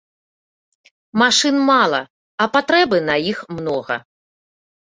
Машын мала, а патрэбы на іх многа.